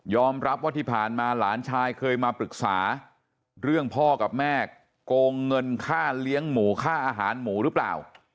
รับว่าที่ผ่านมาหลานชายเคยมาปรึกษาเรื่องพ่อกับแม่โกงเงินค่าเลี้ยงหมูค่าอาหารหมูหรือเปล่า